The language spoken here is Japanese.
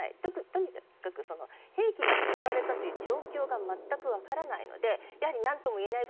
とにかく兵器が使われたという状況が全く分からないので何とも言えない